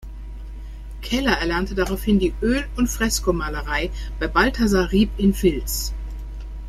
Keller erlernte daraufhin die Öl- und Freskomalerei bei Balthasar Riepp in Vils.